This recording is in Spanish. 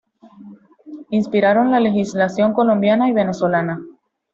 Inspiraron la legislación colombiana y venezolana.